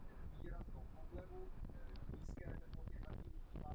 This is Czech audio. Byl členem Klubu moravských skladatelů.